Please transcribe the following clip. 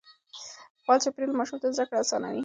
فعال چاپېريال ماشوم ته زده کړه آسانوي.